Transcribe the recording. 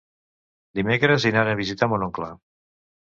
Dimecres iran a visitar mon oncle.